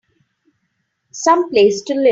Some place to live!